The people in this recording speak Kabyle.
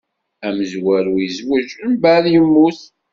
Amezwaru izweǧ, mbeɛd yemmut.